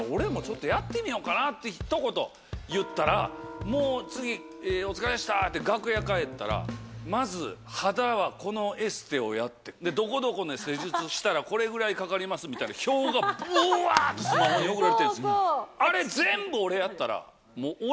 俺もちょっとやってみようかなって、ひと言言ったら、もう次、お疲れっしたって楽屋帰ったら、まず肌はこのエステをやって、どこどこの施術したらこれくらいかかりますみたいな表がブワってスマホに送られてくるんですよ。